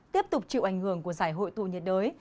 tiếp tục chịu ảnh hưởng của giải hội tụ nhiệt đới